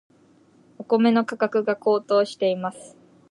お米の価格が高騰しています。